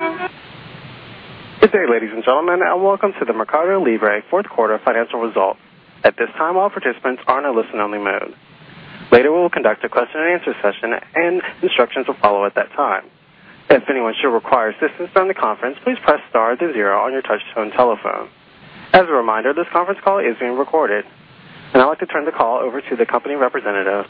Okay, ladies and gentlemen, and welcome to the Mercado Libre Fourth Quarter Financial Result. At this time, all participants are in a listen-only mode. Later, we will conduct a question-and-answer session, and instructions will follow at that time. If anyone should require assistance during the conference, please press star zero on your touch-tone telephone. As a reminder, this conference call is being recorded, and I'd like to turn the call over to the company representative.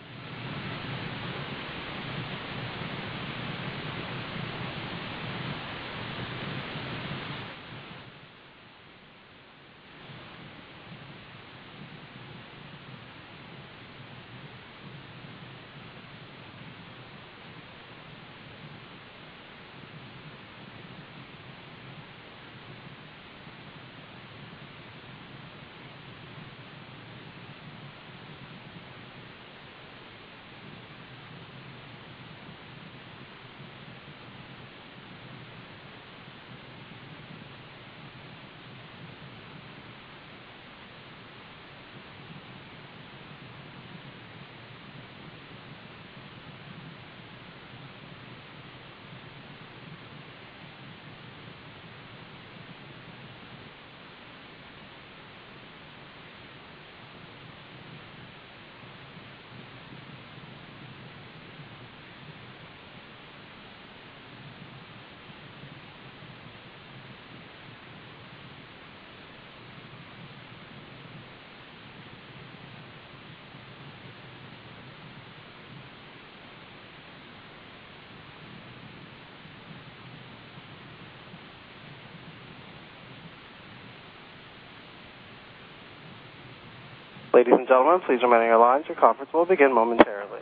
Ladies and gentlemen, please remain on your lines. Your conference will begin momentarily.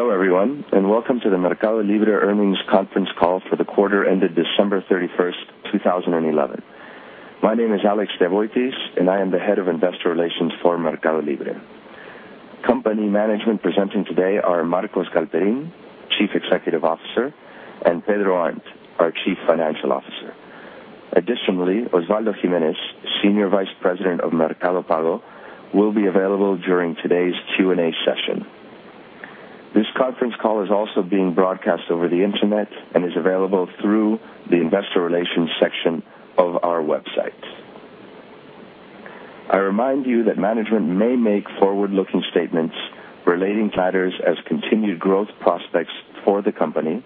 Hello, everyone, and welcome to the Mercado Libre Earnings Conference Call for the Quarter ended December 31st, 2011. My name is Alex Devoitis, and I am the Head of Investor Relations for Mercado Libre. Company management presenting today are Marcos Galperin, Chief Executive Officer, and Pedro Arnt, our Chief Financial Officer. Additionally, Osvaldo Giménez, Senior Vice President of Mercado Pago, will be available during today's Q&A session. This conference call is also being broadcast over the internet and is available through the Investor Relations section of our website. I remind you that management may make forward-looking statements relating to matters as continued growth prospects for the company,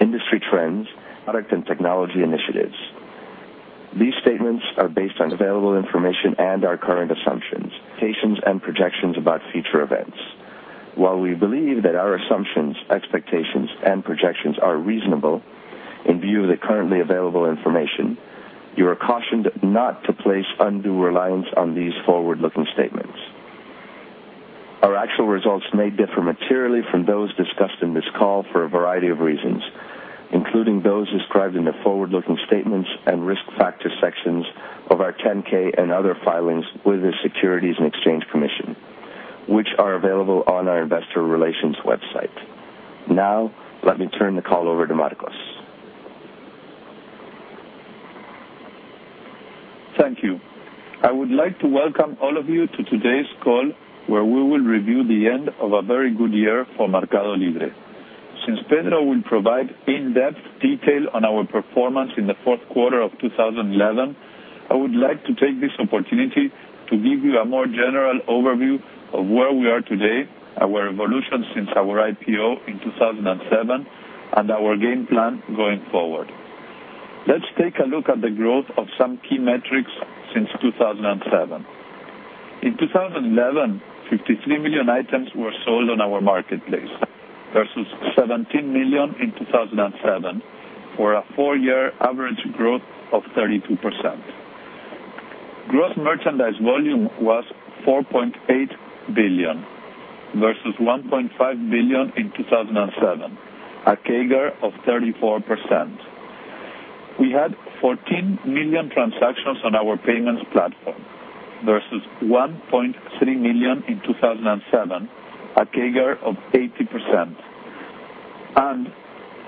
industry trends, product and technology initiatives. These statements are based on available information and our current assumptions, expectations, and projections about future events. While we believe that our assumptions, expectations, and projections are reasonable in view of the currently available information, you are cautioned not to place undue reliance on these forward-looking statements. Our actual results may differ materially from those discussed in this call for a variety of reasons, including those described in the forward-looking statements and risk factor sections of our 10-K and other filings with the Securities and Exchange Commission, which are available on our Investor Relations website. Now, let me turn the call over to Marcos. Thank you. I would like to welcome all of you to today's call, where we will review the end of a very good year for Mercado Libre. Since Pedro will provide in-depth detail on our performance in the fourth quarter of 2011, I would like to take this opportunity to give you a more general overview of where we are today, our evolution since our IPO in 2007, and our game plan going forward. Let's take a look at the growth of some key metrics since 2007. In 2011, 53 million items were sold on our marketplace versus 17 million in 2007, for a four-year average growth of 32%. Gross merchandise volume was $4.8 billion versus $1.5 billion in 2007, a CAGR of 34%. We had 14 million transactions on our payments platform versus 1.3 million in 2007, a CAGR of 80%.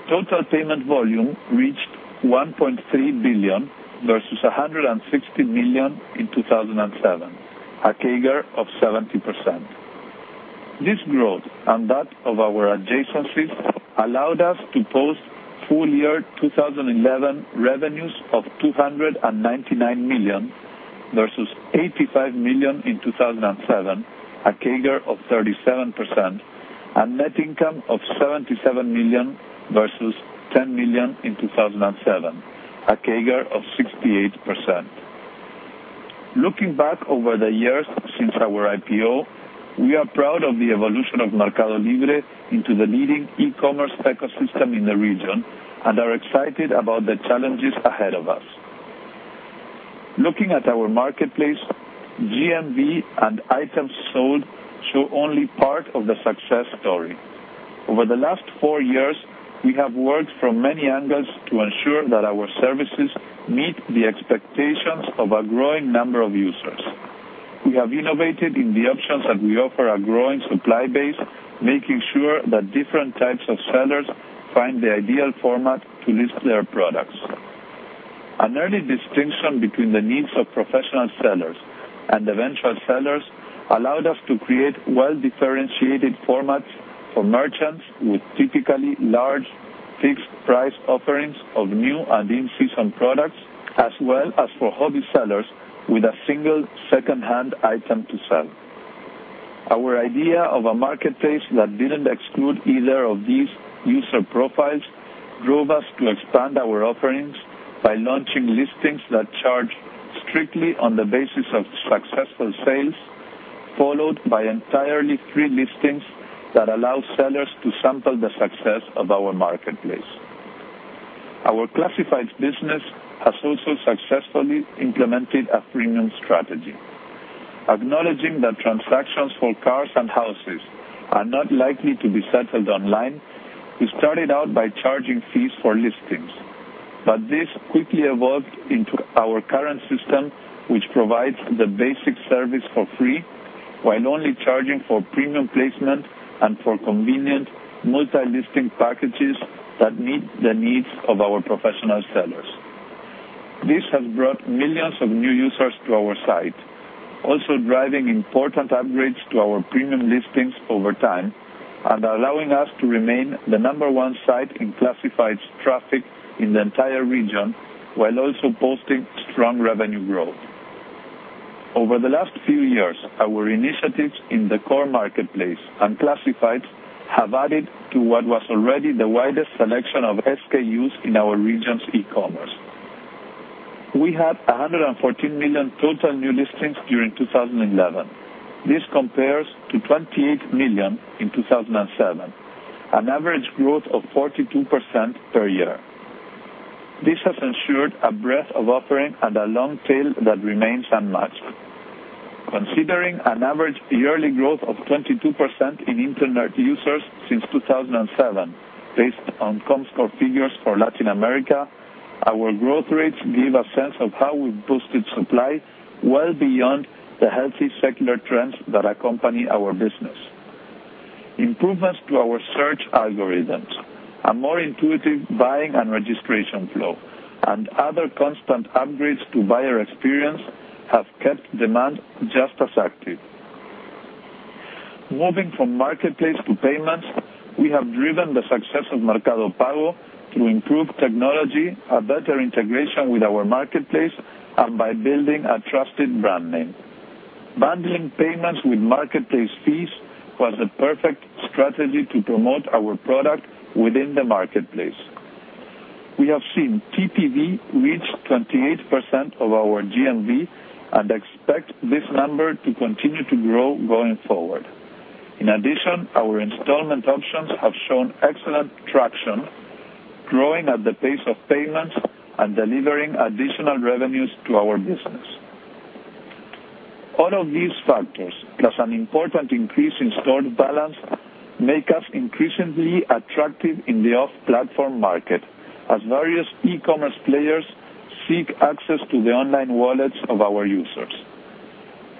Total payment volume reached $1.3 billion versus $160 million in 2007, a CAGR of 70%. This growth and that of our adjacencies allowed us to post full-year 2011 revenues of $299 million versus $85 million in 2007, a CAGR of 37%, and net income of $77 million versus $10 million in 2007, a CAGR of 68%. Looking back over the years since our IPO, we are proud of the evolution of Mercado Libre into the leading e-commerce ecosystem in the region and are excited about the challenges ahead of us. Looking at our marketplace, GMV and items sold show only part of the success story. Over the last four years, we have worked from many angles to ensure that our services meet the expectations of a growing number of users. We have innovated in the options that we offer a growing supply base, making sure that different types of sellers find the ideal format to list their products. An early distinction between the needs of professional sellers and eventual sellers allowed us to create well-differentiated formats for merchants with typically large fixed-price offerings of new and in-season products, as well as for hobby sellers with a single second-hand item to sell. Our idea of a marketplace that didn't exclude either of these user profiles drove us to expand our offerings by launching listings that charge strictly on the basis of successful sales, followed by entirely free listings that allow sellers to sample the success of our marketplace. Our classifieds business has also successfully implemented a premium strategy. Acknowledging that transactions for cars and houses are not likely to be settled online, we started out by charging fees for listings. This quickly evolved into our current system, which provides the basic service for free while only charging for premium placement and for convenient multi-listing packages that meet the needs of our professional sellers. This has brought millions of new users to our site, also driving important upgrades to our premium listings over time and allowing us to remain the number one site in classified traffic in the entire region, while also posting strong revenue growth. Over the last few years, our initiatives in the core marketplace and classifieds have added to what was already the widest selection of SKUs in our region's e-commerce. We had 114 million total new listings during 2011. This compares to 28 million in 2007, an average growth of 42% per year. This has ensured a breadth of offering and a long tail that remains unmatched. Considering an average yearly growth of 22% in internet users since 2007, based on ComScore figures for Latin America, our growth rates give a sense of how we've boosted supply well beyond the healthy secular trends that accompany our business. Improvements to our search algorithms, a more intuitive buying and registration flow, and other constant upgrades to buyer experience have kept demand just as active. Moving from marketplace to payments, we have driven the success of Mercado Pago through improved technology, a better integration with our marketplace, and by building a trusted brand name. Bundling payments with marketplace fees was the perfect strategy to promote our product within the marketplace. We have seen TPV reach 28% of our GMV and expect this number to continue to grow going forward. In addition, our installment options have shown excellent traction, growing at the pace of payments and delivering additional revenues to our business. All of these factors, plus an important increase in stored balance, make us increasingly attractive in the off-platform market as various e-commerce players seek access to the online wallets of our users.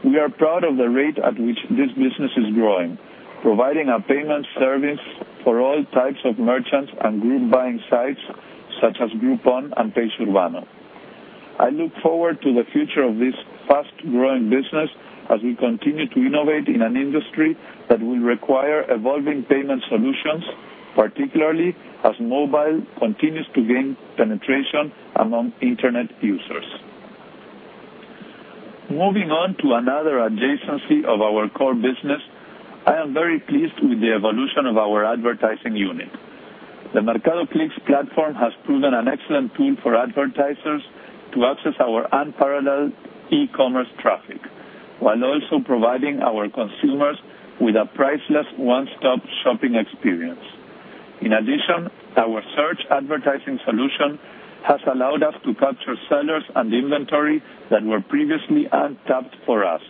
We are proud of the rate at which this business is growing, providing a payment service for all types of merchants and group buying sites, such as Groupon and [PageUrbano]. I look forward to the future of this fast-growing business as we continue to innovate in an industry that will require evolving payment solutions, particularly as mobile continues to gain penetration among internet users. Moving on to another adjacency of our core business, I am very pleased with the evolution of our advertising unit. The Mercado Clicks platform has proven an excellent tool for advertisers to access our unparalleled e-commerce traffic, while also providing our consumers with a priceless one-stop shopping experience. In addition, our search advertising solution has allowed us to capture sellers and inventory that were previously untapped for us.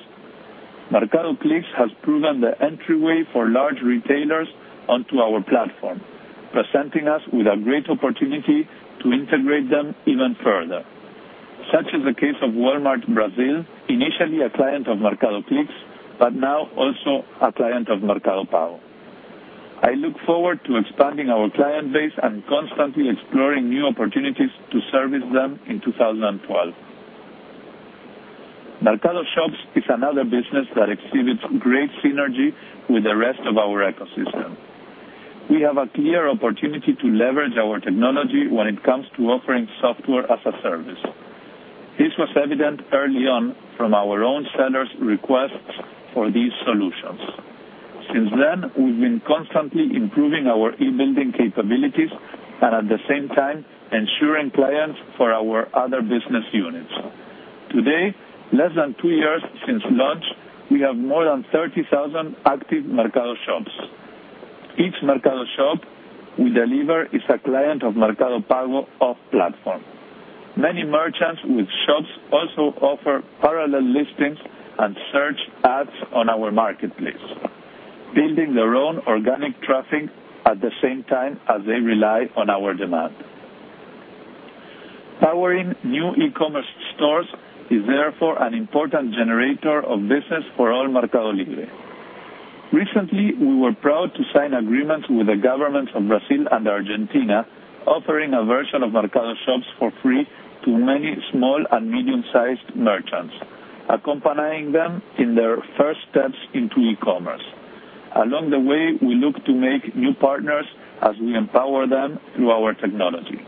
Mercado Clicks has proven the entryway for large retailers onto our platform, presenting us with a great opportunity to integrate them even further. Such is the case of Walmart Brazil, initially a client of Mercado Clicks, but now also a client of Mercado Pago. I look forward to expanding our client base and constantly exploring new opportunities to service them in 2012. Mercado Shops is another business that exhibits great synergy with the rest of our ecosystem. We have a clear opportunity to leverage our technology when it comes to offering software as a service. This was evident early on from our own sellers' requests for these solutions. Since then, we've been constantly improving our e-building capabilities and, at the same time, ensuring clients for our other business units. Today, less than two years since launch, we have more than 30,000 active Mercado Shops. Each Mercado Shop we deliver is a client of Mercado Pago off-platform. Many merchants with shops also offer parallel listings and search ads on our marketplace, building their own organic traffic at the same time as they rely on our demand. Powering new e-commerce stores is therefore an important generator of business for all Mercado Libre. Recently, we were proud to sign agreements with the governments of Brazil and Argentina, offering a version of Mercado Shops for free to many small and medium-sized merchants, accompanying them in their first steps into e-commerce. Along the way, we look to make new partners as we empower them through our technology.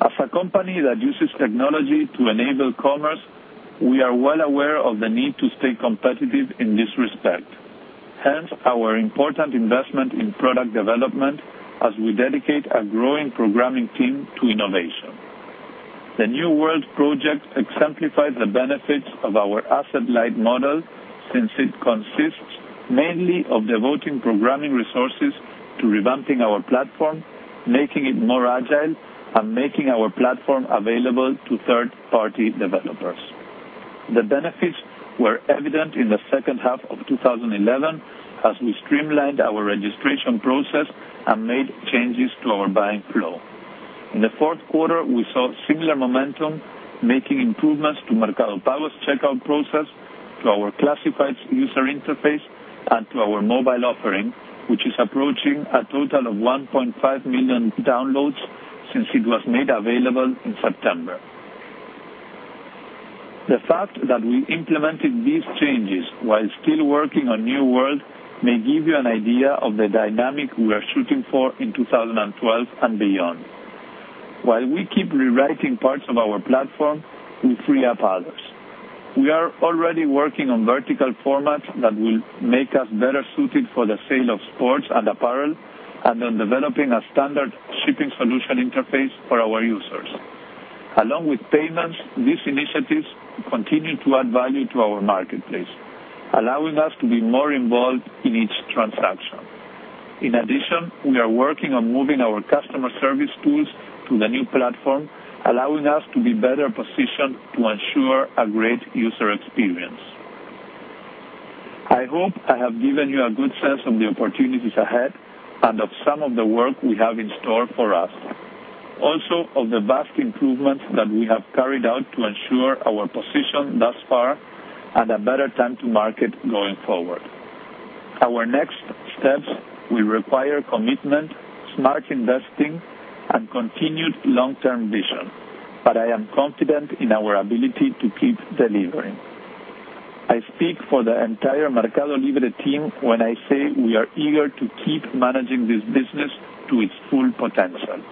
As a company that uses technology to enable commerce, we are well aware of the need to stay competitive in this respect. Hence, our important investment in product development as we dedicate a growing programming team to innovation. The New World platform project exemplifies the benefits of our asset-light model since it consists mainly of devoting programming resources to revamping our platform, making it more agile, and making our platform available to third-party developers. The benefits were evident in the second half of 2011 as we streamlined our registration process and made changes to our buying flow. In the fourth quarter, we saw similar momentum, making improvements to Mercado Pago's checkout process, to our classifieds user interface, and to our mobile offering, which is approaching a total of 1.5 million downloads since it was made available in September. The fact that we implemented these changes while still working on New World platform project may give you an idea of the dynamic we are shooting for in 2012 and beyond. While we keep rewriting parts of our platform, we free up others. We are already working on vertical formats that will make us better suited for the sale of sports and apparel, and on developing a standard shipping solution interface for our users. Along with payments, these initiatives continue to add value to our marketplace, allowing us to be more involved in each transaction. In addition, we are working on moving our customer service tools to the new platform, allowing us to be better positioned to ensure a great user experience. I hope I have given you a good sense of the opportunities ahead and of some of the work we have in store for us. Also, of the vast improvements that we have carried out to ensure our position thus far and a better time to market going forward. Our next steps will require commitment, smart investing, and continued long-term vision, but I am confident in our ability to keep delivering. I speak for the entire Mercado Libre team when I say we are eager to keep managing this business to its full potential.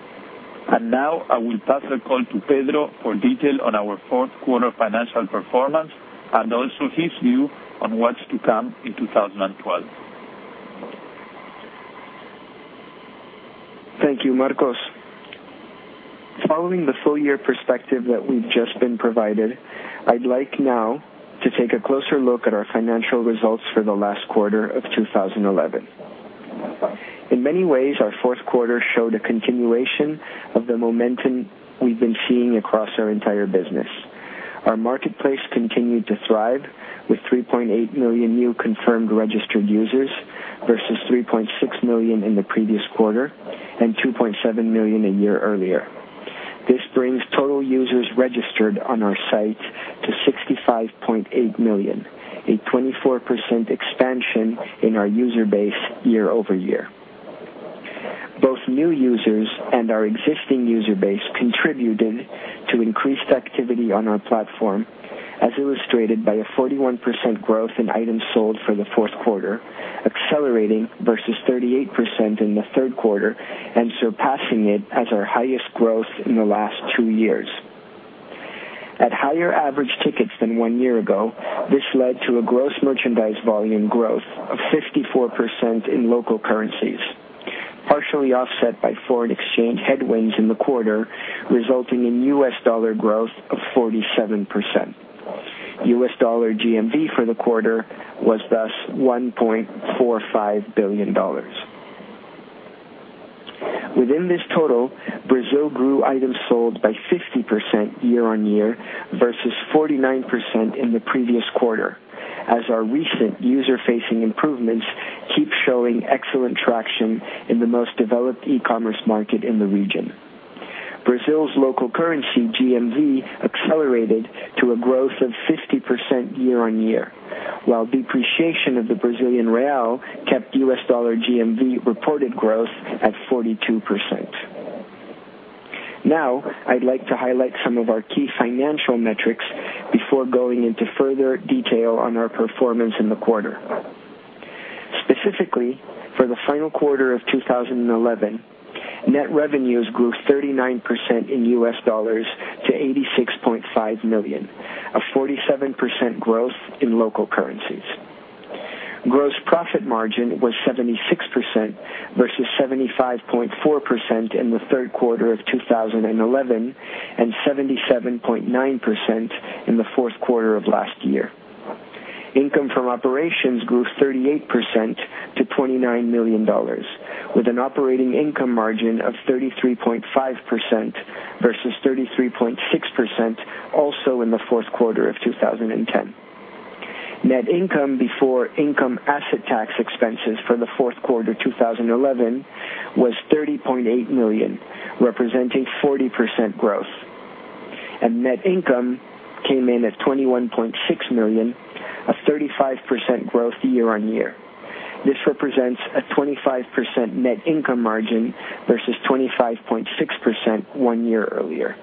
Now, I will pass the call to Pedro for detail on our fourth quarter financial performance and also his view on what's to come in 2012. Thank you, Marcos. Following the full-year perspective that we've just been provided, I'd like now to take a closer look at our financial results for the last quarter of 2011. In many ways, our fourth quarter showed a continuation of the momentum we've been seeing across our entire business. Our marketplace continued to thrive, with 3.8 million new confirmed registered users versus 3.6 million in the previous quarter and 2.7 million a year earlier. This brings total users registered on our site to 65.8 million, a 24% expansion in our user base year over year. Both new users and our existing user base contributed to increased activity on our platform, as illustrated by a 41% growth in items sold for the fourth quarter, accelerating versus 38% in the third quarter and surpassing it as our highest growth in the last two years. At higher average tickets than one year ago, this led to a gross merchandise volume growth of 54% in local currencies, partially offset by foreign exchange headwinds in the quarter, resulting in U.S. dollar growth of 47%. U.S. dollar GMV for the quarter was thus $1.45 billion. Within this total, Brazil grew items sold by 50% year-on-year versus 49% in the previous quarter, as our recent user-facing improvements keep showing excellent traction in the most developed e-commerce market in the region. Brazil's local currency GMV accelerated to a growth of 50% year on year, while depreciation of the Brazilian real kept U.S. dollar GMV reported growth at 42%. Now, I'd like to highlight some of our key financial metrics before going into further detail on our performance in the quarter. Specifically, for the final quarter of 2011, net revenues grew 39% in U.S. dollars to $86.5 million, a 47% growth in local currencies. Gross profit margin was 76% versus 75.4% in the third quarter of 2011 and 77.9% in the fourth quarter of last year. Income from operations grew 38% to $29 million, with an operating income margin of 33.5% versus 33.6% also in the fourth quarter of 2010. Net income before income asset tax expenses for the fourth quarter 2011 was $30.8 million, representing 40% growth. Net income came in at $21.6 million, a 35% growth year-on-year. This represents a 25% net income margin versus 25.6% one year earlier.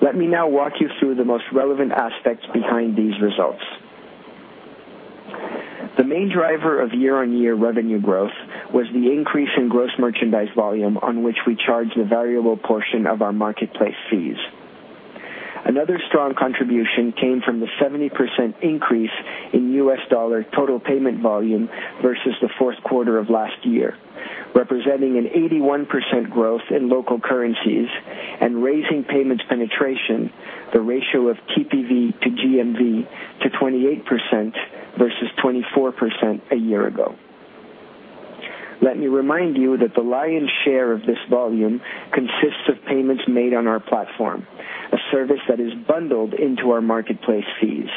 Let me now walk you through the most relevant aspects behind these results. The main driver of year-on-year revenue growth was the increase in gross merchandise volume on which we charge the variable portion of our marketplace fees. Another strong contribution came from the 70% increase in U.S. dollar total payment volume versus the fourth quarter of last year, representing an 81% growth in local currencies and raising payments penetration, the ratio of TPV to GMV, to 28% versus 24% a year ago. Let me remind you that the lion's share of this volume consists of payments made on our platform, a service that is bundled into our marketplace fees.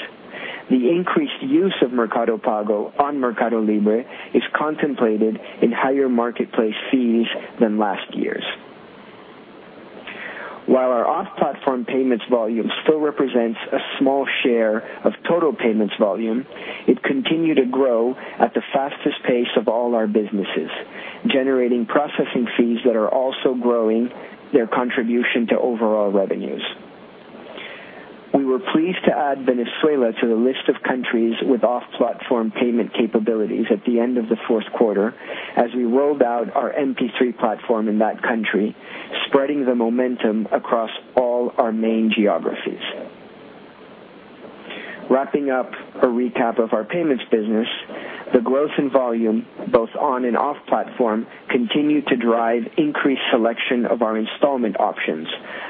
The increased use of Mercado Pago on Mercado Libre is contemplated in higher marketplace fees than last year's. While our off-platform payments volume still represents a small share of total payments volume, it continued to grow at the fastest pace of all our businesses, generating processing fees that are also growing their contribution to overall revenues. We were pleased to add Venezuela to the list of countries with off-platform payment capabilities at the end of the fourth quarter as we rolled out our MP3 platform in that country, spreading the momentum across all our main geographies. Wrapping up a recap of our payments business, the growth in volume, both on and off-platform, continued to drive increased selection of our installment options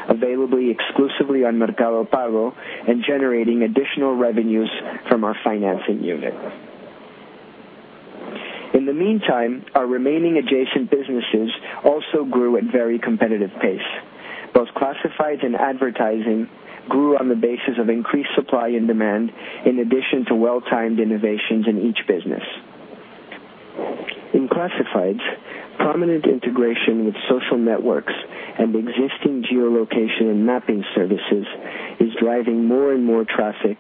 available exclusively on Mercado Pago and generating additional revenues from our financing unit. In the meantime, our remaining adjacent businesses also grew at a very competitive pace. Both classifieds and advertising grew on the basis of increased supply and demand, in addition to well-timed innovations in each business. In classifieds, prominent integration with social networks and existing geolocation and mapping services is driving more and more traffic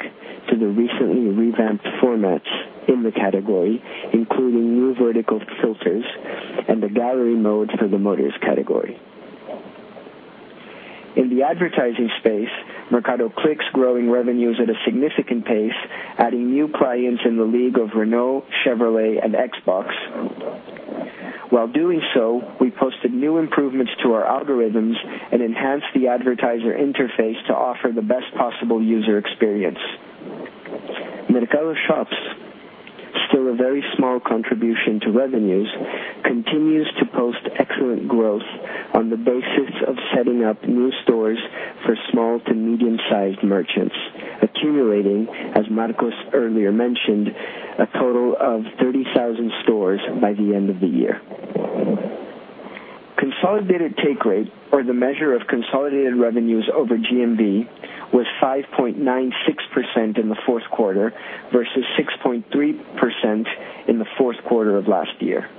to the recently revamped formats in the category, including new vertical filters and the gallery mode for the Motors category. In the advertising space, Mercado Clicks is growing revenues at a significant pace, adding new clients in the league of Renault, Chevrolet, and Xbox. While doing so, we posted new improvements to our algorithms and enhanced the advertiser interface to offer the best possible user experience. Mercado Shops, though a very small contribution to revenues, continues to post excellent growth on the basis of setting up new stores for small to medium-sized merchants, accumulating, as Marcos earlier mentioned, a total of 30,000 stores by the end of the year. Consolidated take rate, or the measure of consolidated revenues over GMV, was 5.96% in the fourth quarter versus 6.3% in the fourth quarter of last year.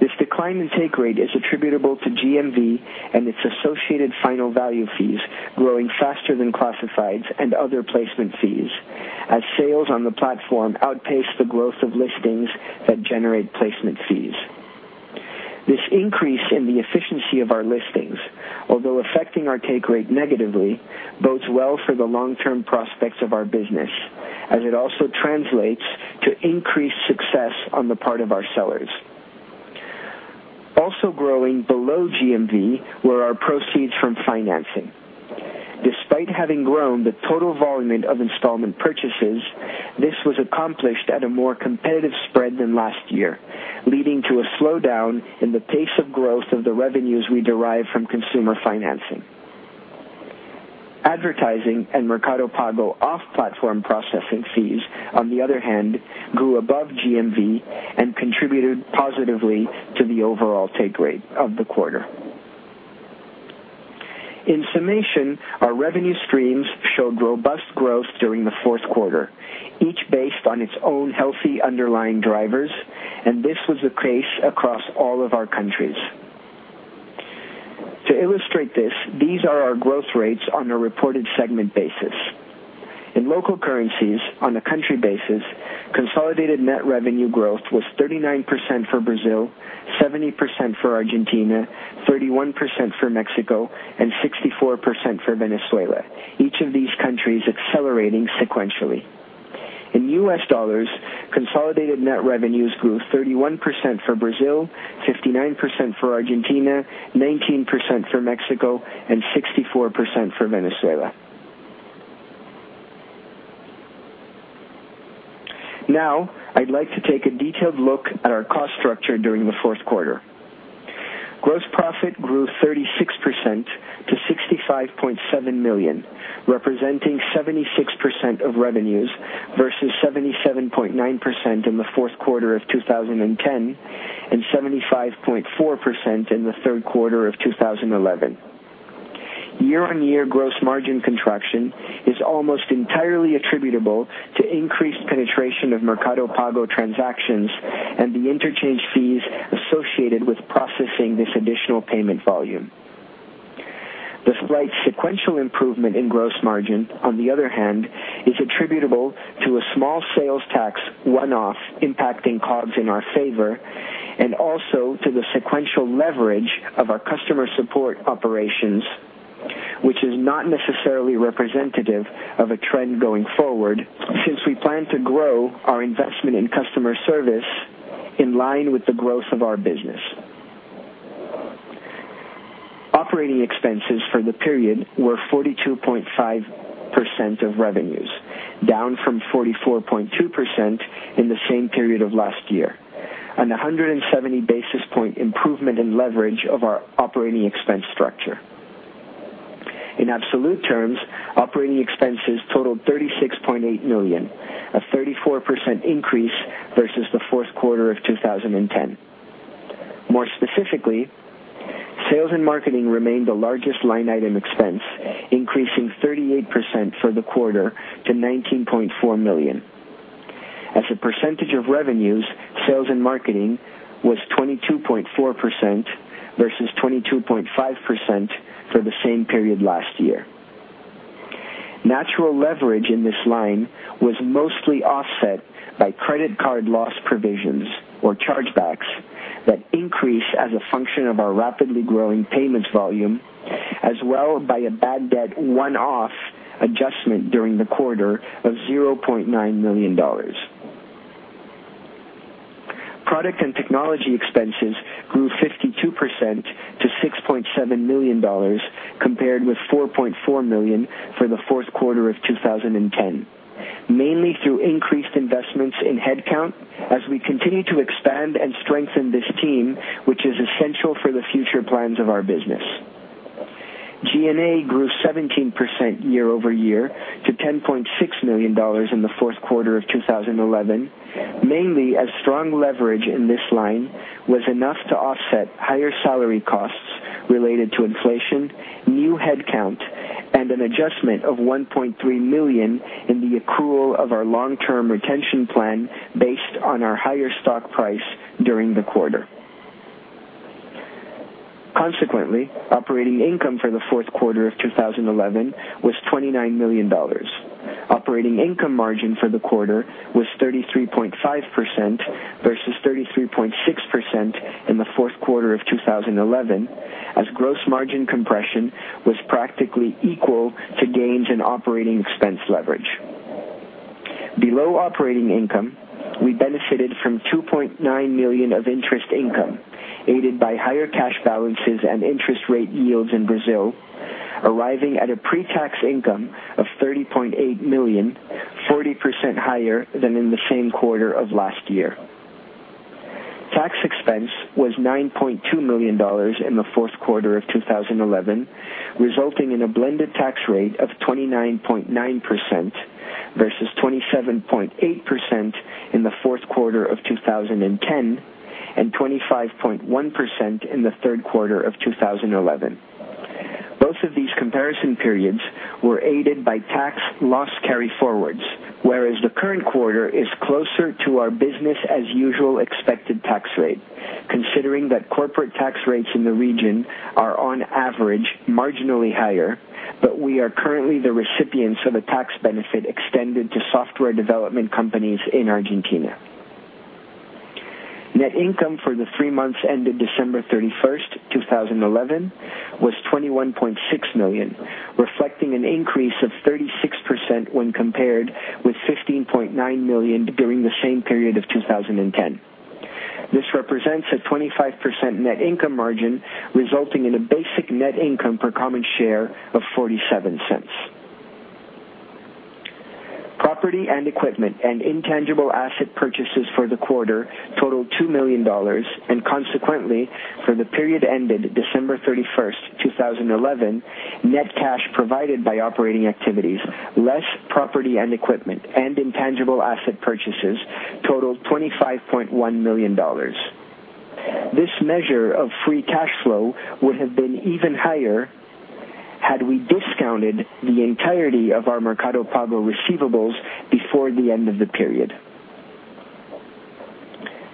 This decline in take rate is attributable to GMV and its associated final value fees, growing faster than classifieds and other placement fees, as sales on the platform outpace the growth of listings that generate placement fees. This increase in the efficiency of our listings, although affecting our take rate negatively, bodes well for the long-term prospects of our business, as it also translates to increased success on the part of our sellers. Also growing below GMV were our proceeds from financing. Despite having grown the total volume of installment purchases, this was accomplished at a more competitive spread than last year, leading to a slowdown in the pace of growth of the revenues we derive from consumer financing. Advertising and Mercado Pago off-platform processing fees, on the other hand, grew above GMV and contributed positively to the overall take rate of the quarter. In summation, our revenue streams showed robust growth during the fourth quarter, each based on its own healthy underlying drivers, and this was the case across all of our countries. To illustrate this, these are our growth rates on a reported segment basis. In local currencies, on a country basis, consolidated net revenue growth was 39% for Brazil, 70% for Argentina, 31% for Mexico, and 64% for Venezuela, each of these countries accelerating sequentially. In U.S. dollars, consolidated net revenues grew 31% for Brazil, 59% for Argentina, 19% for Mexico, and 64% for Venezuela. Now, I'd like to take a detailed look at our cost structure during the fourth quarter. Gross profit grew 36% to $65.7 million, representing 76% of revenues versus 77.9% in the fourth quarter of 2010 and 75.4% in the third quarter of 2011. Year-on-year gross margin contraction is almost entirely attributable to increased penetration of Mercado Pago transactions and the interchange fees associated with processing this additional payment volume. The slight sequential improvement in gross margin, on the other hand, is attributable to a small sales tax one-off impacting COGS in our favor and also to the sequential leverage of our customer support operations, which is not necessarily representative of a trend going forward since we plan to grow our investment in customer service in line with the growth of our business. Operating expenses for the period were 42.5% of revenues, down from 44.2% in the same period of last year, a 170 basis point improvement in leverage of our operating expense structure. In absolute terms, operating expenses totaled $36.8 million, a 34% increase versus the fourth quarter of 2010. More specifically, sales and marketing remained the largest line item expense, increasing 38% for the quarter to $19.4 million. As a percentage of revenues, sales and marketing was 22.4% versus 22.5% for the same period last year. Natural leverage in this line was mostly offset by credit card loss provisions, or chargebacks, that increase as a function of our rapidly growing payments volume, as well as by a bad debt one-off adjustment during the quarter of $0.9 million. Product and technology expenses grew 52% to $6.7 million compared with $4.4 million for the fourth quarter of 2010, mainly through increased investments in headcount as we continue to expand and strengthen this team, which is essential for the future plans of our business. G&A grew 17% year-over-year to $10.6 million in the fourth quarter of 2011, mainly as strong leverage in this line was enough to offset higher salary costs related to inflation, new headcount, and an adjustment of $1.3 million in the accrual of our long-term retention plan based on our higher stock price during the quarter. Consequently, operating income for the fourth quarter of 2011 was $29 million. Operating income margin for the quarter was 33.5% versus 33.6% in the fourth quarter of 2011, as gross margin compression was practically equal to gains in operating expense leverage. Below operating income, we benefited from $2.9 million of interest income, aided by higher cash balances and interest rate yields in Brazil, arriving at a pre-tax income of $30.8 million, 40% higher than in the same quarter of last year. Tax expense was $9.2 million in the fourth quarter of 2011, resulting in a blended tax rate of 29.9% versus 27.8% in the fourth quarter of 2010 and 25.1% in the third quarter of 2011. Both of these comparison periods were aided by tax loss carry forwards, whereas the current quarter is closer to our business-as-usual expected tax rate, considering that corporate tax rates in the region are, on average, marginally higher, but we are currently the recipients of a tax benefit extended to software development companies in Argentina. Net income for the three months ended December 31st, 2011, was $21.6 million, reflecting an increase of 36% when compared with $15.9 million during the same period of 2010. This represents a 25% net income margin, resulting in a basic net income per common share of $0.47. Property and equipment and intangible asset purchases for the quarter totaled $2 million, and consequently, for the period ended December 31st, 2011, net cash provided by operating activities, less property and equipment, and intangible asset purchases totaled $25.1 million. This measure of free cash flow would have been even higher had we discounted the entirety of our Mercado Pago receivables before the end of the period.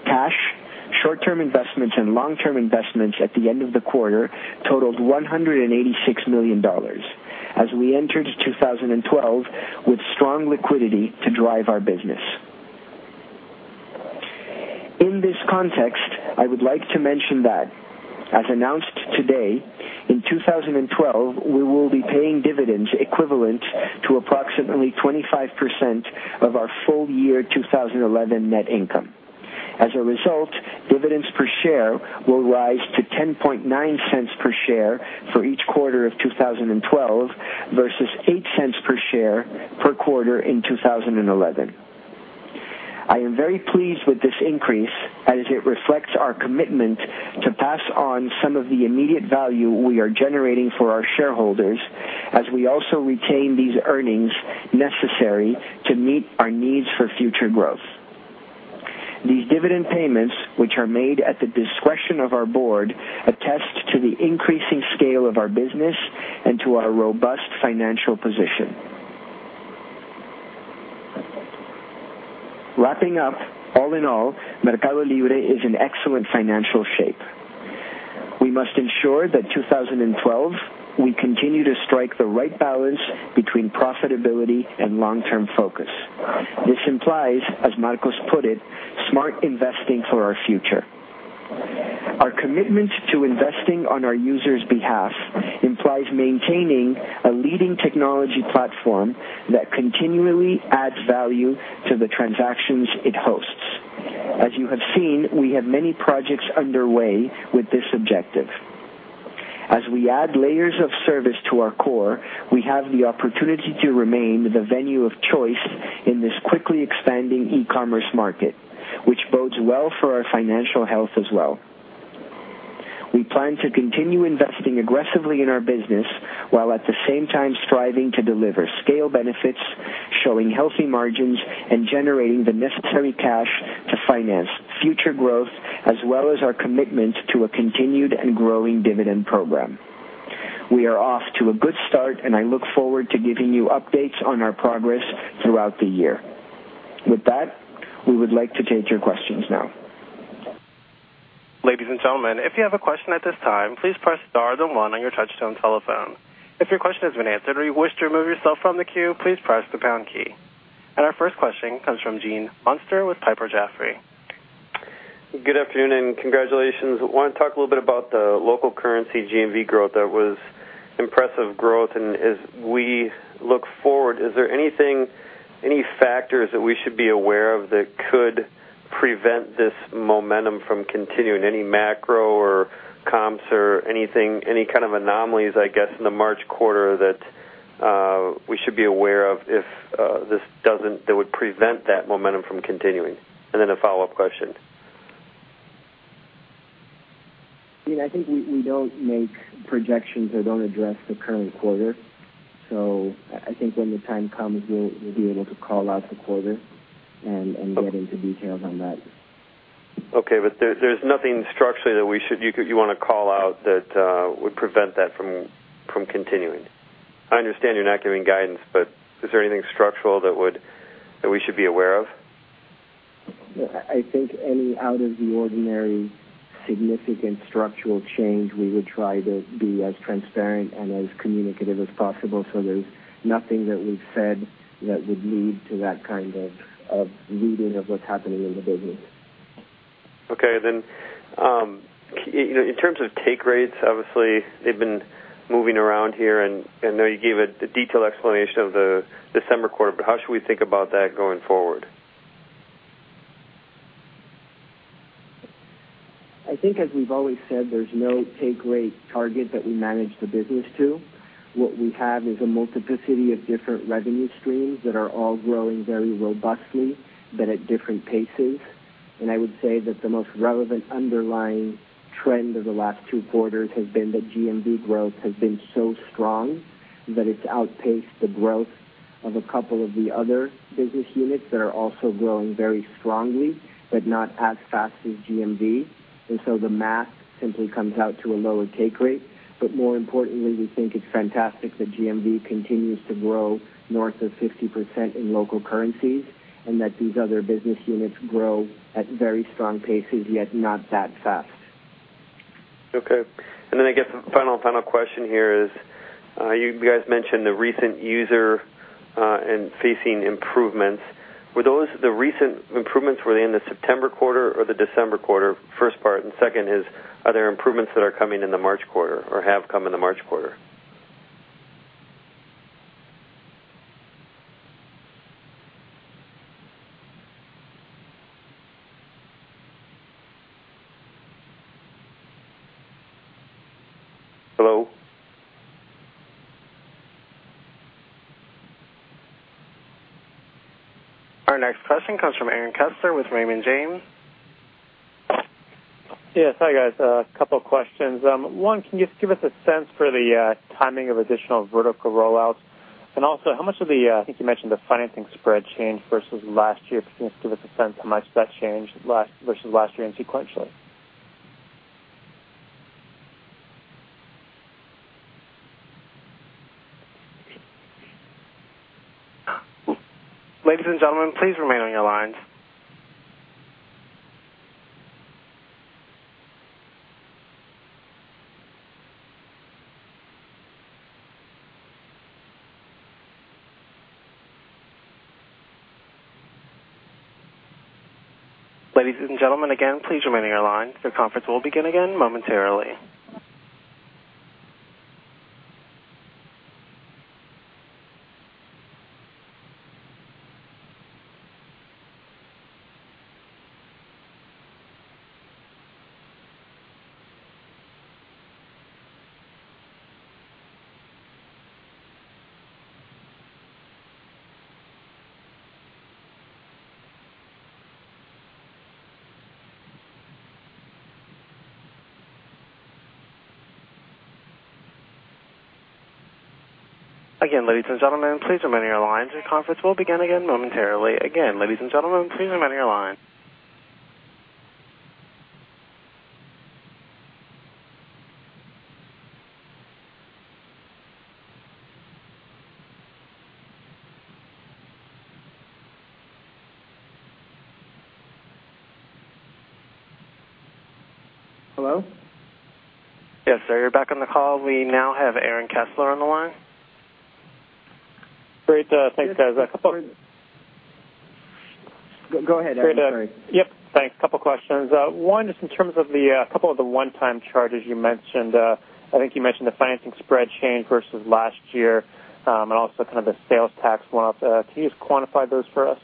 Cash, short-term investments, and long-term investments at the end of the quarter totaled $186 million, as we entered 2012 with strong liquidity to drive our business. In this context, I would like to mention that, as announced today, in 2012, we will be paying dividends equivalent to approximately 25% of our full-year 2011 net income. As a result, dividends per share will rise to $0.109 per share for each quarter of 2012 versus $0.08 per share per quarter in 2011. I am very pleased with this increase, as it reflects our commitment to pass on some of the immediate value we are generating for our shareholders, as we also retain these earnings necessary to meet our needs for future growth. These dividend payments, which are made at the discretion of our board, attest to the increasing scale of our business and to our robust financial position. Wrapping up, all in all, Mercado Libre is in excellent financial shape. We must ensure that in 2012, we continue to strike the right balance between profitability and long-term focus. This implies, as Marcos put it, smart investing for our future. Our commitment to investing on our users' behalf implies maintaining a leading technology platform that continually adds value to the transactions it hosts. As you have seen, we have many projects underway with this objective. As we add layers of service to our core, we have the opportunity to remain the venue of choice in this quickly expanding e-commerce market, which bodes well for our financial health as well. We plan to continue investing aggressively in our business, while at the same time striving to deliver scale benefits, showing healthy margins, and generating the necessary cash to finance future growth, as well as our commitment to a continued and growing dividend program. We are off to a good start, and I look forward to giving you updates on our progress throughout the year. With that, we would like to take your questions now. Ladies and gentlemen, if you have a question at this time, please press star one on your touch-tone telephone. If your question has been answered or you wish to remove yourself from the queue, please press the pound key. Our first question comes from Gene Munster with Piper Jaffray. Good afternoon and congratulations. I want to talk a little bit about the local currency GMV growth. That was impressive growth. As we look forward, is there anything, any factors that we should be aware of that could prevent this momentum from continuing? Any macro or comps or anything, any kind of anomalies, I guess, in the March quarter that we should be aware of if this doesn't that would prevent that momentum from continuing? A follow-up question. I think we don't make projections or don't address the current quarter. I think when the time comes, we'll be able to call out the quarter and get into details on that. Okay, there's nothing structurally that you want to call out that would prevent that from continuing. I understand you're not giving guidance, but is there anything structural that we should be aware of? I think any out-of-the-ordinary significant structural change, we would try to be as transparent and as communicative as possible. There's nothing that we've said that would lead to that kind of leading of what's happening in the business. Okay, in terms of take rates, obviously, they've been moving around here. I know you gave a detailed explanation of the December quarter, but how should we think about that going forward? I think, as we've always said, there's no take rate target that we manage the business to. What we have is a multiplicity of different revenue streams that are all growing very robustly, but at different paces. I would say that the most relevant underlying trend of the last two quarters has been that GMV growth has been so strong that it's outpaced the growth of a couple of the other business units that are also growing very strongly, but not as fast as GMV. The math simply comes out to a lower take rate. More importantly, we think it's fantastic that GMV continues to grow north of 50% in local currencies and that these other business units grow at very strong paces, yet not that fast. Okay. I guess the final, final question here is, you guys mentioned the recent user and facing improvements. Were those the recent improvements? Were they in the September quarter or the December quarter, first part? Second is, are there improvements that are coming in the March quarter or have come in the March quarter? Hello? Our next question comes from Aaron Kessler with Raymond James. Yeah, hi guys. A couple of questions. One, can you just give us a sense for the timing of additional vertical rollouts? Also, how much of the, I think you mentioned the financing spread changed versus last year? Can you just give us a sense of how much that changed versus last year and sequentially? Ladies and gentlemen, please remain on your lines. Ladies and gentlemen, again, please remain on your line. The conference will begin again momentarily. Again, ladies and gentlemen, please remain on your lines. The conference will begin again momentarily. Again, ladies and gentlemen, please remain on your line. Hello? Yes, sir, you're back on the call. We now have Aaron Kessler on the line. Great. Thanks, guys. A couple of. Go ahead, Aaron. Sorry. Thanks. A couple of questions. One, just in terms of the couple of the one-time charges you mentioned, I think you mentioned the financing spread change versus last year and also kind of the sales tax one-offs. Can you just quantify those for us?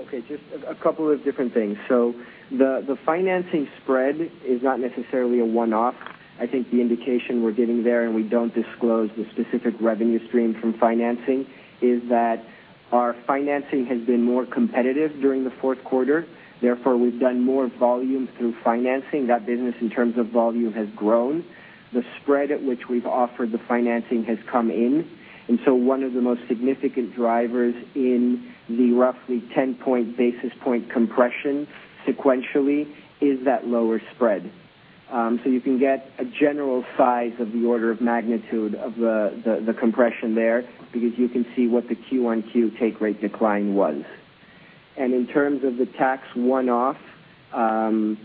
Okay, just a couple of different things. The financing spread is not necessarily a one-off. I think the indication we're giving there, and we don't disclose the specific revenue stream from financing, is that our financing has been more competitive during the fourth quarter. Therefore, we've done more volume through financing. That business, in terms of volume, has grown. The spread at which we've offered the financing has come in. One of the most significant drivers in the roughly 10 basis point compression sequentially is that lower spread. You can get a general size of the order of magnitude of the compression there because you can see what the Q1Q take rate decline was. In terms of the tax one-off, again,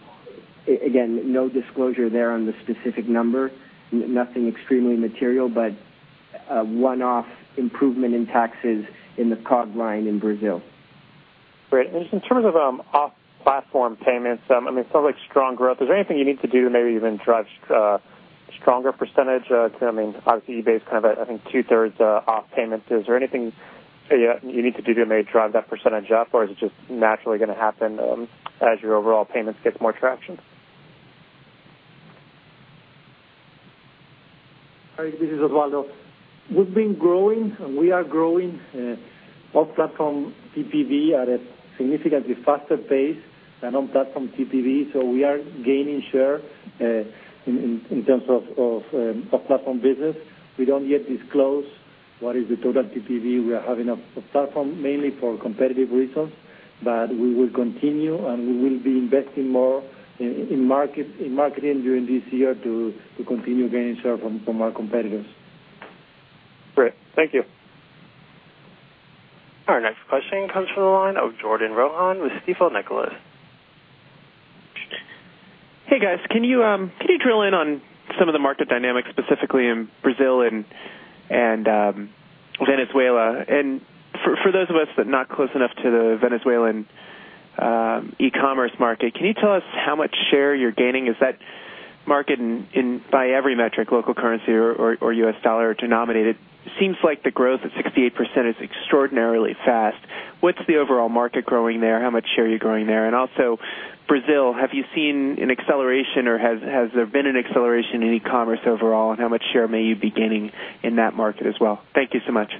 no disclosure there on the specific number, nothing extremely material, but a one-off improvement in taxes in the COG line in Brazil. Great. In terms of off-platform payments, it sounds like strong growth. Is there anything you need to do to maybe even drive a stronger percentage? eBay is kind of, I think, two-thirds off payment. Is there anything you need to do to maybe drive that percentage up, or is it just naturally going to happen as your overall payments get more traction? This is Osvaldo. We've been growing, and we are growing off-platform TPV at a significantly faster pace than on-platform TPV. We are gaining share in terms of off-platform business. We don't yet disclose what is the total TPV we are having off-platform, mainly for competitive reasons. We will continue, and we will be investing more in marketing during this year to continue gaining share from our competitors. Great. Thank you. Our next question comes from the line of Jordan Rohan with Stifel Nicolaus. Hey guys, can you drill in on some of the market dynamics specifically in Brazil and Venezuela? For those of us that are not close enough to the Venezuelan e-commerce market, can you tell us how much share you're gaining? Is that market in by every metric, local currency or U.S. dollar denominated? It seems like the growth at 68% is extraordinarily fast. What's the overall market growing there? How much share are you growing there? Also, Brazil, have you seen an acceleration, or has there been an acceleration in e-commerce overall? How much share may you be gaining in that market as well? Thank you so much.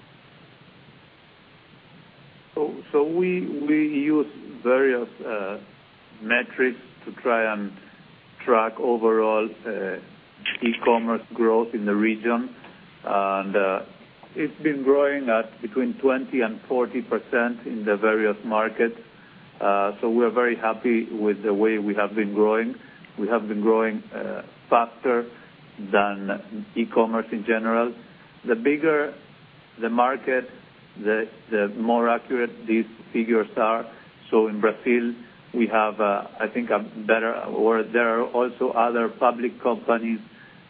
We use various metrics to try and track overall e-commerce growth in the region. It's been growing at between 20% and 40% in the various markets. We are very happy with the way we have been growing. We have been growing faster than e-commerce in general. The bigger the market, the more accurate these figures are. In Brazil, we have, I think, a better or there are also other public companies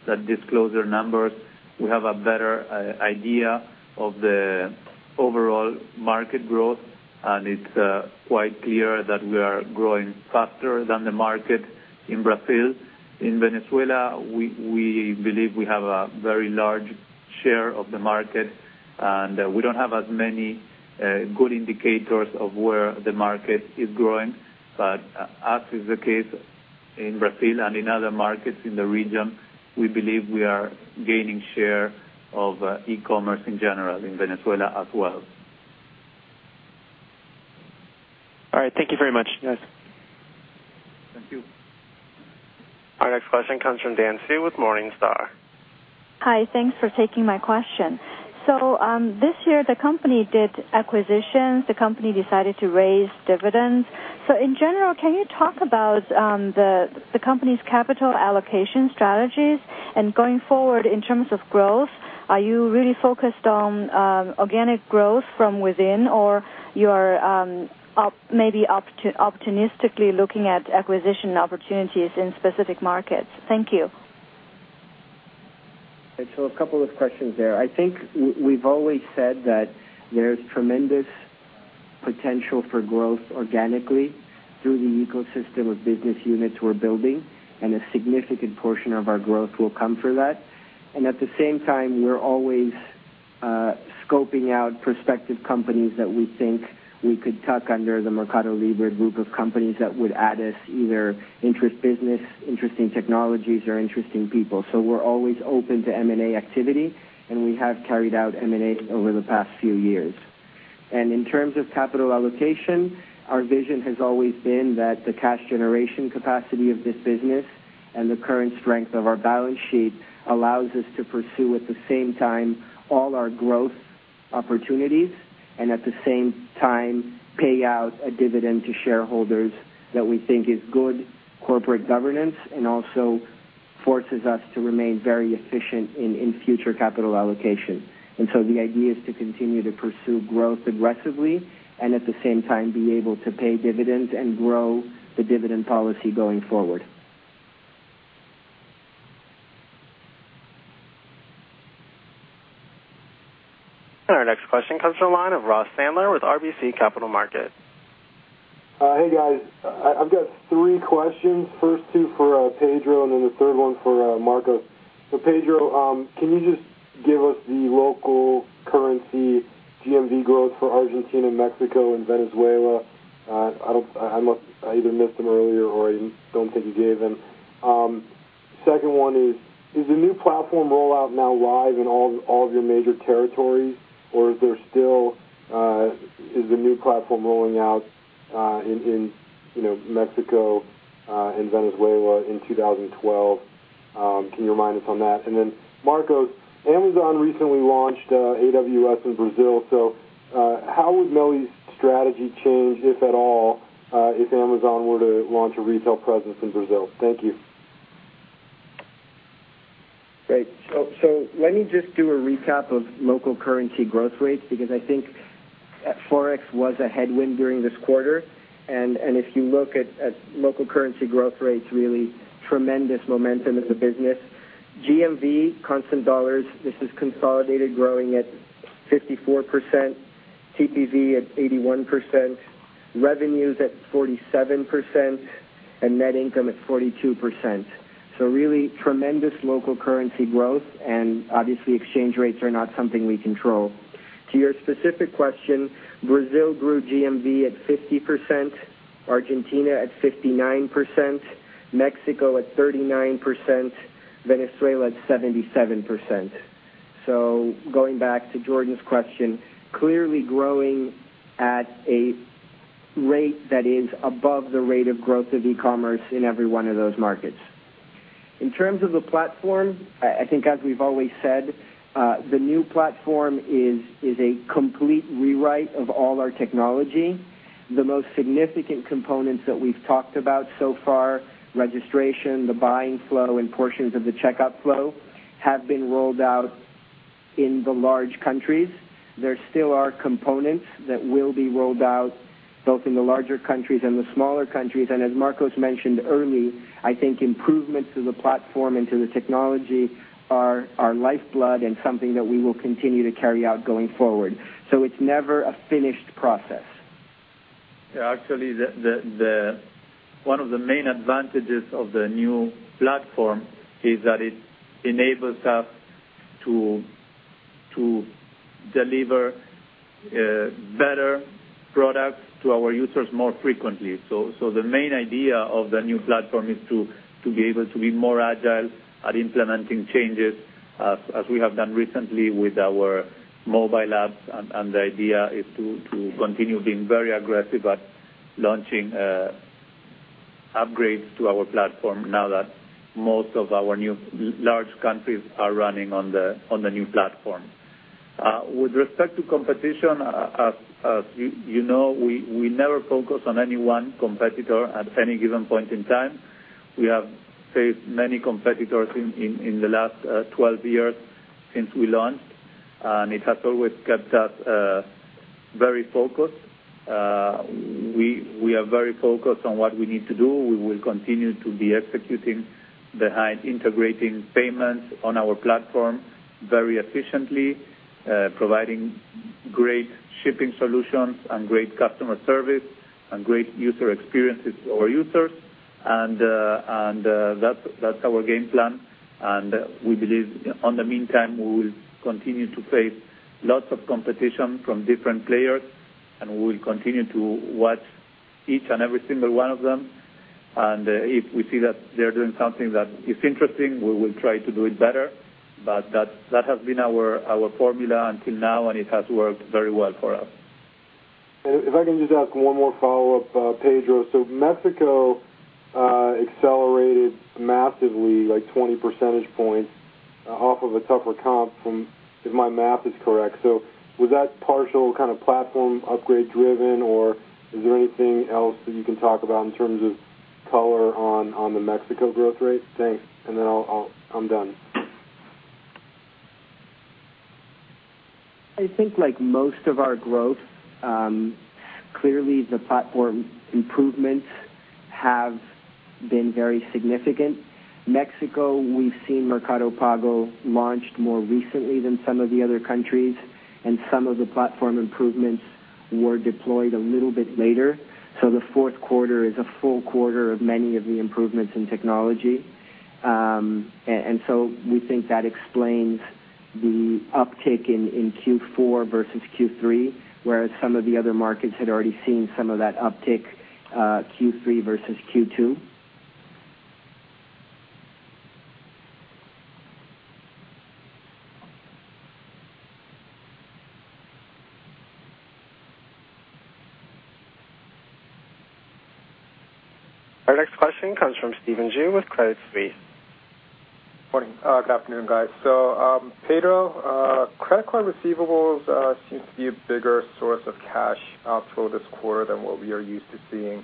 that disclose their numbers. We have a better idea of the overall market growth. It's quite clear that we are growing faster than the market in Brazil. In Venezuela, we believe we have a very large share of the market. We don't have as many good indicators of where the market is growing. As is the case in Brazil and in other markets in the region, we believe we are gaining share of e-commerce in general in Venezuela as well. All right, thank you very much, guys. Thank you. Our next question comes from [Diane Sy] with Morningstar. Hi, thanks for taking my question. This year, the company did acquisitions. The company decided to raise dividends. In general, can you talk about the company's capital allocation strategies? Going forward in terms of growth, are you really focused on organic growth from within, or are you maybe optimistically looking at acquisition opportunities in specific markets? Thank you. are a couple of questions there. I think we've always said that there's tremendous potential for growth organically through the ecosystem of business units we're building, and a significant portion of our growth will come from that. At the same time, we're always scoping out prospective companies that we think we could tuck under the Mercado Libre group of companies that would add us either interesting business, interesting technologies, or interesting people. We're always open to M&A activity, and we have carried out M&A over the past few years. In terms of capital allocation, our vision has always been that the cash generation capacity of this business and the current strength of our balance sheet allows us to pursue at the same time all our growth opportunities and pay out a dividend to shareholders that we think is good corporate governance and also forces us to remain very efficient in future capital allocation. The idea is to continue to pursue growth aggressively and at the same time be able to pay dividends and grow the dividend policy going forward. Our next question comes from the line of [Federico Sandler] with RBC Capital Markets. Hey guys, I've got three questions. First two for Pedro and then the third one for Marcos. Pedro, can you just give us the local currency GMV growth for Argentina, Mexico, and Venezuela? I either missed them earlier or I don't think you gave them. The second one is, is the New World platform project rollout now live in all of your major territories, or is the New World platform project rolling out in Mexico and Venezuela in 2012? Can you align us on that? Marcos, Amazon recently launched AWS in Brazil. How would Mercado Libre's strategy change, if at all, if Amazon were to launch a retail presence in Brazil? Thank you. Great. Let me just do a recap of local currency growth rates because I think Forex was a headwind during this quarter. If you look at local currency growth rates, really tremendous momentum in the business. GMV, constant dollars, this is consolidated growing at 54%. TPV at 81%. Revenues at 47% and net income at 42%. Really tremendous local currency growth. Obviously, exchange rates are not something we control. To your specific question, Brazil grew GMV at 50%, Argentina at 59%, Mexico at 39%, Venezuela at 77%. Going back to Jordan's question, clearly growing at a rate that is above the rate of growth of e-commerce in every one of those markets. In terms of the platform, as we've always said, the new platform is a complete rewrite of all our technology. The most significant components that we've talked about so far, registration, the buying flow, and portions of the checkout flow, have been rolled out in the large countries. There still are components that will be rolled out both in the larger countries and the smaller countries. As Marcos mentioned early, I think improvements to the platform and to the technology are our lifeblood and something that we will continue to carry out going forward. It's never a finished process. Yeah, actually, one of the main advantages of the new platform is that it enables us to deliver better products to our users more frequently. The main idea of the new platform is to be able to be more agile at implementing changes, as we have done recently with our mobile apps. The idea is to continue being very aggressive at launching upgrades to our platform now that most of our new large countries are running on the new platform. With respect to competition, as you know, we never focus on any one competitor at any given point in time. We have faced many competitors in the last 12 years since we launched, and it has always kept us very focused. We are very focused on what we need to do. We will continue to be executing behind integrating payments on our platform very efficiently, providing great shipping solutions, great customer service, and great user experiences for our users. That's our game plan. We believe in the meantime, we will continue to face lots of competition from different players. We will continue to watch each and every single one of them. If we see that they're doing something that is interesting, we will try to do it better. That has been our formula until now, and it has worked very well for us. If I can just ask one more follow-up, Pedro. Mexico accelerated massively, like 20% points off of a tougher comp, if my math is correct. Was that partial kind of platform upgrade driven, or is there anything else that you can talk about in terms of color on the Mexico growth rate? Thanks. I'm done. I think like most of our growth, clearly the platform improvements have been very significant. Mexico, we've seen Mercado Pago launched more recently than some of the other countries, and some of the platform improvements were deployed a little bit later. The fourth quarter is a full quarter of many of the improvements in technology, and we think that explains the uptick in Q4 versus Q3, whereas some of the other markets had already seen some of that uptick Q3 versus Q2. Our next question comes from Steven Zhu with CreditSuite. Good afternoon, guys. Pedro, credit card receivables seem to be a bigger source of cash upflow this quarter than what we are used to seeing,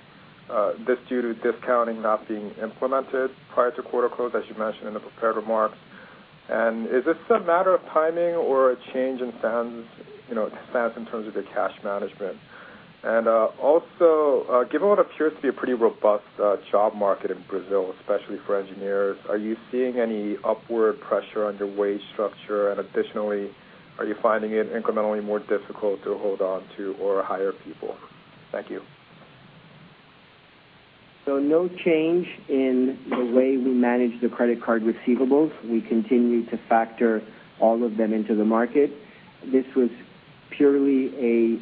this due to discounting not being implemented prior to quarter close, as you mentioned in the prepared remark. Is this a matter of timing or a change in fans in terms of their cash management? Also, given what appears to be a pretty robust job market in Brazil, especially for engineers, are you seeing any upward pressure on your wage structure? Additionally, are you finding it incrementally more difficult to hold on to or hire people? Thank you. is no change in the way we manage the credit card receivables. We continue to factor all of them into the market. This was purely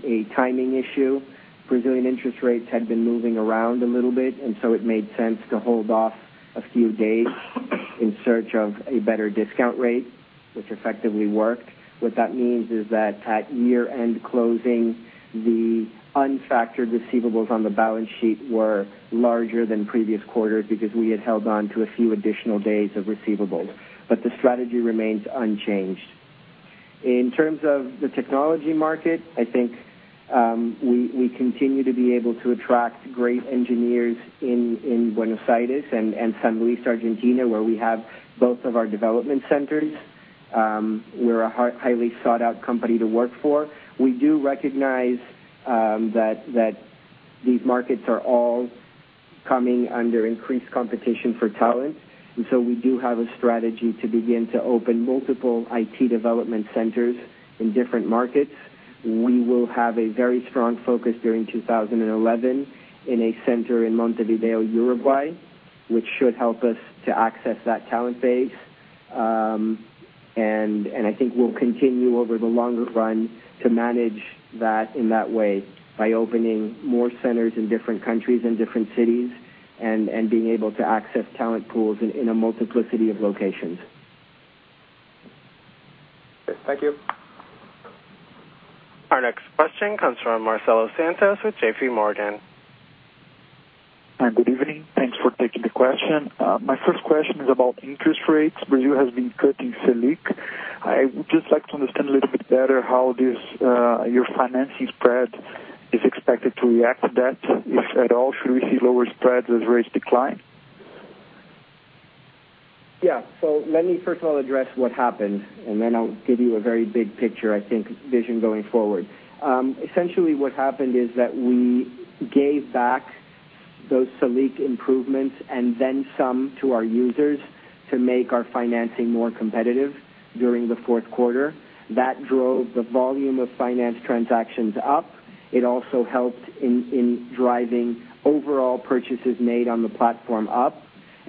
a timing issue. Brazilian interest rates had been moving around a little bit, and it made sense to hold off a few days in search of a better discount rate, which effectively worked. What that means is that at year-end closing, the unfactored receivables on the balance sheet were larger than previous quarters because we had held on to a few additional days of receivables. The strategy remains unchanged. In terms of the technology market, I think we continue to be able to attract great engineers in Buenos Aires and San Luis, Argentina, where we have both of our development centers. We're a highly sought-out company to work for. We do recognize that these markets are all coming under increased competition for talent. We do have a strategy to begin to open multiple IT development centers in different markets. We will have a very strong focus during 2011 in a center in Montevideo, Uruguay, which should help us to access that talent base. I think we'll continue over the longer run to manage that in that way by opening more centers in different countries and different cities and being able to access talent pools in a multiplicity of locations. Thank you. Our next question comes from Marcelo Santos with JPMorgan. Good evening. Thanks for taking the question. My first question is about interest rates. Brazil has been cutting Selic. I would just like to understand a little bit better how your financing spread is expected to react to that, if at all, should we see lower spreads as rates decline? Yeah, let me first of all address what happened, and then I'll give you a very big picture, I think, vision going forward. Essentially, what happened is that we gave back those Selic improvements and then some to our users to make our financing more competitive during the fourth quarter. That drove the volume of finance transactions up. It also helped in driving overall purchases made on the platform up.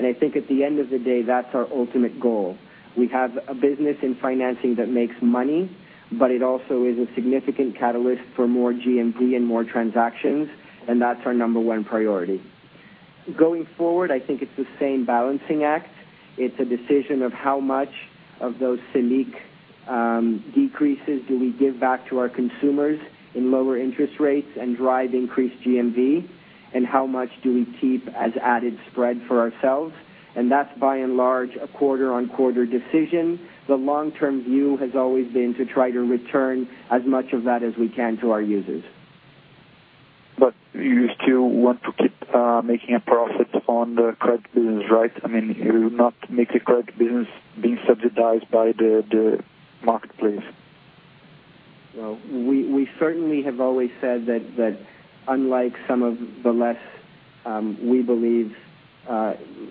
I think at the end of the day, that's our ultimate goal. We have a business in financing that makes money, but it also is a significant catalyst for more GMV and more transactions. That's our number one priority. Going forward, I think it's the same balancing act. It's a decision of how much of those Selic decreases do we give back to our consumers in lower interest rates and drive increased GMV, and how much do we keep as added spread for ourselves? That's, by and large, a quarter-on-quarter decision. The long-term view has always been to try to return as much of that as we can to our users. You still want to keep making a profit on the current business, right? I mean, you will not make the current business being subsidized by the marketplace. We certainly have always said that, unlike some of the less, we believe,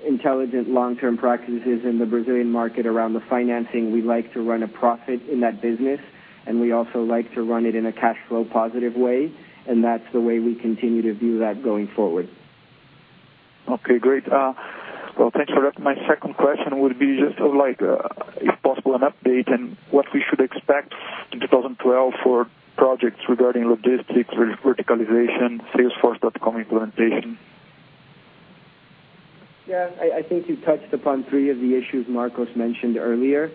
intelligent long-term practices in the Brazilian market around the financing, we like to run a profit in that business. We also like to run it in a cash flow positive way. That's the way we continue to view that going forward. Okay, great. Thanks for that. My second question would be just if possible, an update and what we should expect in 2012 for projects regarding logistics, verticalization, salesforce.com implementation. Yeah, I think you touched upon three of the issues Marcos mentioned earlier.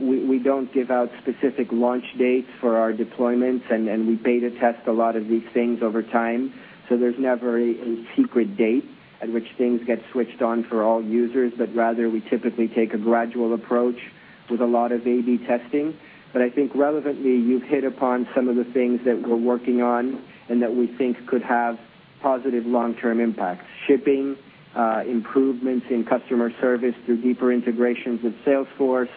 We don't give out specific launch dates for our deployments, and we pay to test a lot of these things over time. There's never a secret date at which things get switched on for all users, rather we typically take a gradual approach with a lot of A/B testing. I think relevantly, you've hit upon some of the things that we're working on and that we think could have positive long-term impacts: shipping, improvements in customer service through deeper integrations with Salesforce,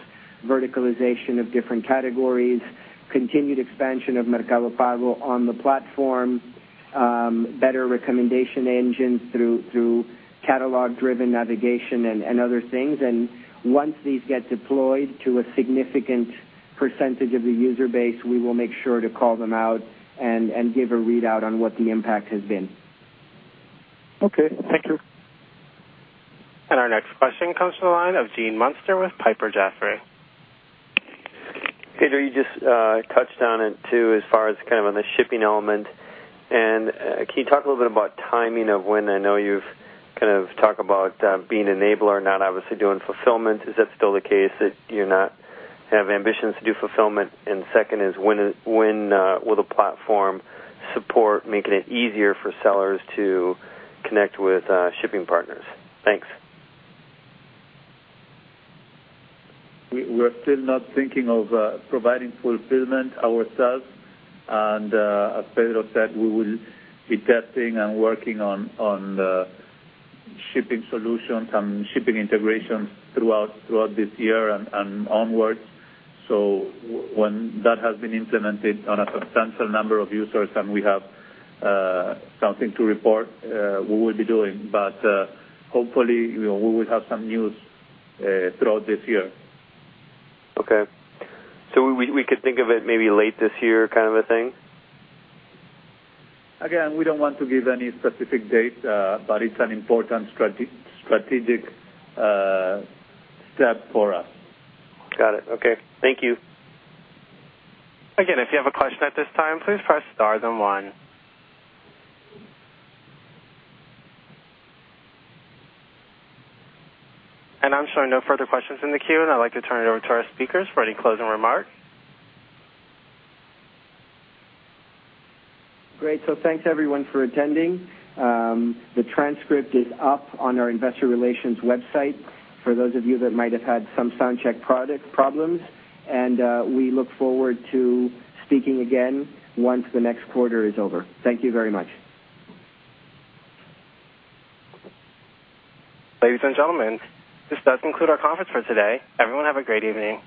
verticalization of different categories, continued expansion of Mercado Pago on the platform, better recommendation engines through catalog-driven navigation, and other things. Once these get deployed to a significant percentage of the user base, we will make sure to call them out and give a readout on what the impact has been. Okay, thank you. Our next question comes from the line of Gene Munster with Piper Jaffray. Pedro, you just touched on it too, as far as kind of on the shipping element. Can you talk a little bit about timing of when? I know you've kind of talked about being an enabler, not obviously doing fulfillment. Is that still the case that you have ambitions to do fulfillment? Second is, when will the platform support making it easier for sellers to connect with shipping partners? Thanks. We are still not thinking of providing fulfillment ourselves. As Pedro said, we will be testing and working on shipping solutions and shipping integrations throughout this year and onwards. When that has been implemented on a substantial number of users and we have something to report, we will be doing it. Hopefully, we will have some news throughout this year. Okay, we could think of it maybe late this year, kind of a thing? Again, we don't want to give any specific date, but it's an important strategic step for us. Got it. Okay, thank you. Again, if you have a question at this time, please press star one. I'm showing no further questions in the queue. I'd like to turn it over to our speakers for any closing remarks. Great. Thanks, everyone, for attending. The transcript is up on our investor relations website for those of you that might have had some soundcheck product problems. We look forward to speaking again once the next quarter is over. Thank you very much. Ladies and gentlemen, this does conclude our conference for today. Everyone have a great evening.